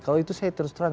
kalau itu saya terus terang